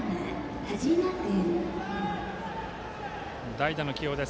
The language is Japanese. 代打の起用です。